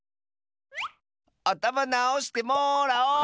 あたまなおしてもらおう！